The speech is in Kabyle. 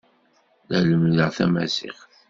La lemmdeɣ tamaziɣt.